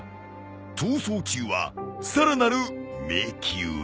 逃走中はさらなる迷宮へ。